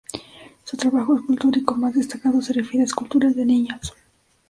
Su trabajo escultórico más destacado se refiere a esculturas de niños.